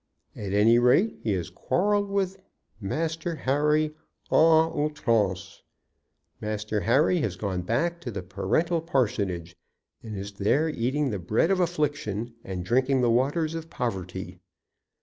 At any rate, he has quarrelled with Master Harry à outrance. Master Harry has gone back to the parental parsonage, and is there eating the bread of affliction and drinking the waters of poverty.